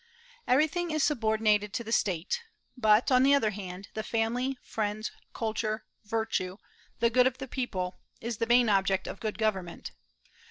Everything is subordinated to the State; but, on the other hand, the family, friends, culture, virtue, the good of the people, is the main object of good government.